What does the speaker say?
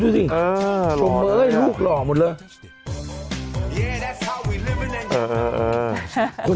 อยากสดใจชมล้ำ